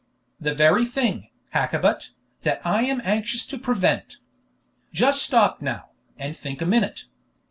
"The very thing, Hakkabut, that I am anxious to prevent. Just stop now, and think a minute.